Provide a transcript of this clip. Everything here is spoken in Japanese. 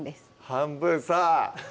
半分さぁ！